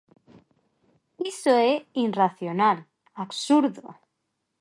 Iso é irracional, absurdo.